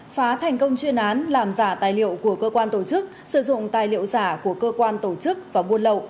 phá thành công chuyên án làm giả tài liệu của cơ quan tổ chức sử dụng tài liệu giả của cơ quan tổ chức và buôn lậu